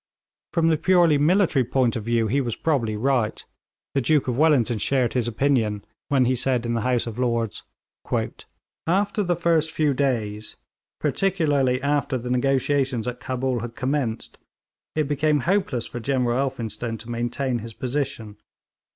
From the purely military point of view he was probably right; the Duke of Wellington shared his opinion when he said in the House of Lords: 'After the first few days, particularly after the negotiations at Cabul had commenced, it became hopeless for General Elphinstone to maintain his position.'